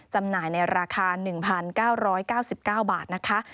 จำหน่ายในราคา๑๙๙๙บาทนะคะ